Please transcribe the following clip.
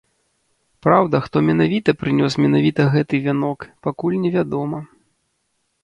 Праўда, хто менавіта прынёс менавіта гэты вянок, пакуль невядома.